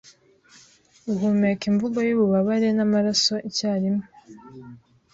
Uhumeka imvugo y'ububabare n'amaraso icyarimwe